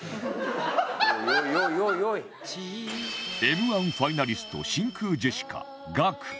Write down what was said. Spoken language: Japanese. Ｍ−１ ファイナリスト真空ジェシカガク